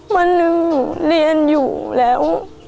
วันนึงเรียนอยู่แล้ว